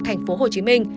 thành phố hồ chí minh